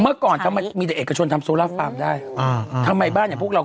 เมื่อก่อนทำไมมีแต่เอกชนทำโซล่าฟาร์มได้อ่าทำไมบ้านอย่างพวกเรา